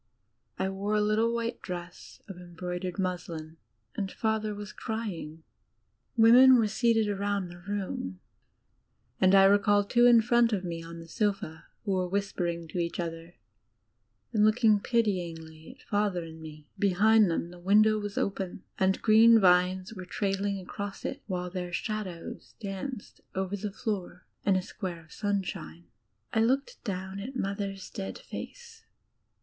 I wore a litde white dress of embroidered muslin, and Father was crying. Women were seated around the room, and I recall two in front of me on the sofa who were whisperitig to each other and looking pityingly at Father and me. Behind them the window was open, and green vines were trailing across it, while their shadows danced over the floor in a square of sunshine. I looked down at Mother's dead face.